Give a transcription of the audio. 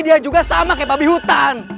dia juga sama kayak babi hutan